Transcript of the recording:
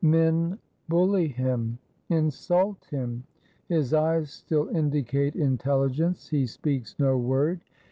Men bully him, insult him: his eyes still indicate intelHgence; he speaks no word.